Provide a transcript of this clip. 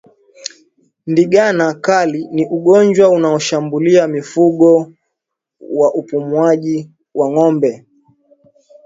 Ndigana kali ni ugonjwa unaoshambulia mfumo wa upumuaji wa ngombe